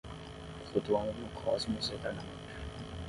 Flutuando no cosmos eternamente.